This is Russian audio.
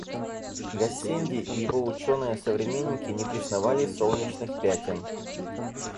Гассенди и его ученые современники не признавали солнечных пятен.